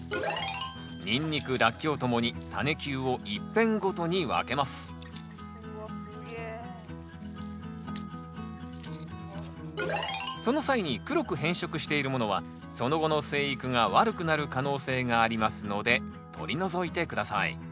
ニンニクラッキョウともにタネ球を１片ごとに分けますその際に黒く変色しているものはその後の生育が悪くなる可能性がありますので取り除いて下さい。